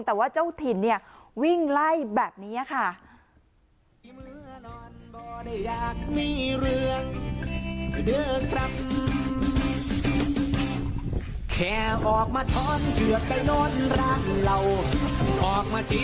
แต่ว่าเจ้าถิ่นเนี่ยวิ่งไล่แบบนี้ค่ะ